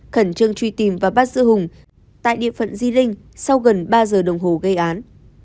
khẩn trương truy tìm và bắt giữ hùng tại địa phận di linh sau gần ba giờ đồng hồ gây án